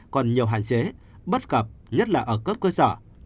còn nhiều hạn chế bất cập nhất là ở cấp cơ sở